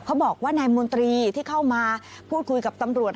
บอกว่านายมนตรีที่เข้ามาพูดคุยกับตำรวจ